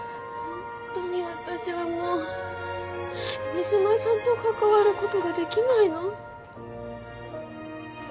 ホントに私はもう秀島さんと関わることができないの？